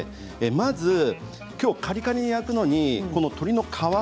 まずカリカリに焼くのに、鶏の皮